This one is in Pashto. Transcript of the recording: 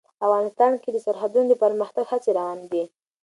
افغانستان کې د سرحدونه د پرمختګ هڅې روانې دي.